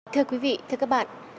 thưa quý vị thưa các bạn